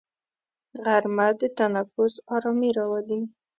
غرمه د تنفس ارامي راولي